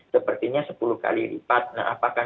sepertinya sepuluh kali lipat nah apakah